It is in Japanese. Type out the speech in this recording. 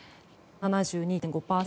７２．５％。